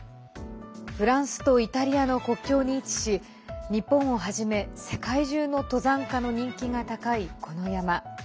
フランスとイタリアの国境に位置し、日本をはじめ世界中の登山家の人気が高いこの山。